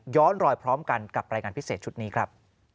รอยพร้อมกันกับรายงานพิเศษชุดนี้ครับ